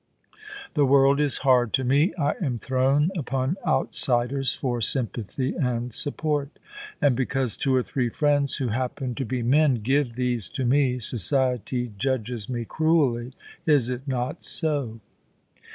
The world is hard to me. I am thrown upon outsiders for sympathyand support. And because two or three friends who happen to be men give these to me, society judges me cruelly. Is it not so